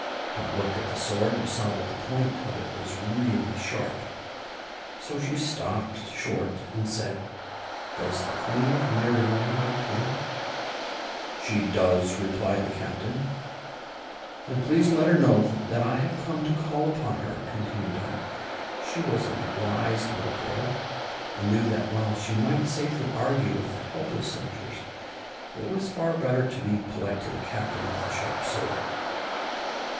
Dot looked at the sword and saw that the point of it was really sharp. So she stopped short and said, "Does the Queen of Merryland live here?" "She does," replied the Captain. "Then please let her know that I have come to call upon her," continued Dot. She was a wise little girl, and knew that while she might safely argue with the helpless soldiers, it was far better to be polite to the Captain with the sharp sword.